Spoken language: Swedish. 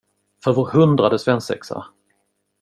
För vår hundrade svensexa!